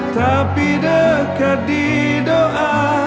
tapi dekat di doa